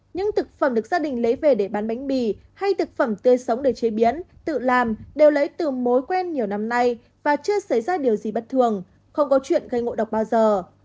những thực phẩm được gia đình lấy về để bán bánh mì hay thực phẩm tươi sống để chế biến tự làm đều lấy từ mối quen nhiều năm nay và chưa xảy ra điều gì bất thường không có chuyện gây ngộ độc bao giờ